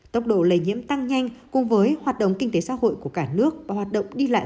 tốc độ lây nhiễm tăng nhanh cùng với hoạt động kinh tế xã hội của cả nước và hoạt động đi lại